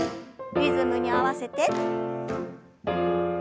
リズムに合わせて。